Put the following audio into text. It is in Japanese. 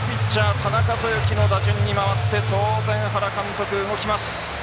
田中豊樹の打順に回って当然、原監督動きます。